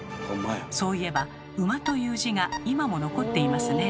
そういえば「馬」という字が今も残っていますね。